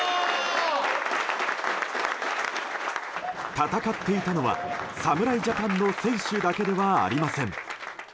戦っていたのは侍ジャパンの選手だけではありません。